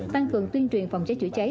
tăng cường tuyên truyền phòng cháy chữa cháy